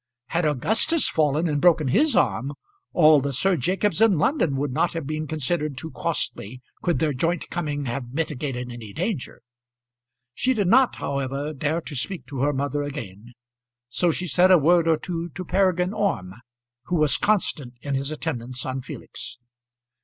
Had Augustus fallen and broken his arm all the Sir Jacobs in London would not have been considered too costly could their joint coming have mitigated any danger. She did not however dare to speak to her mother again, so she said a word or two to Peregrine Orme, who was constant in his attendance on Felix.